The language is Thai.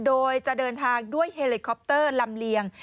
โดยจะเดินทางด้วยเฮลิคอปเตอร์ลำเลียง